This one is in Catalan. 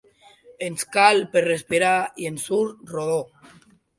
Ens cal per respirar i ens surt rodó.